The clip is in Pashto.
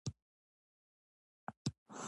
فراه ولې د انارو لپاره مشهوره ده؟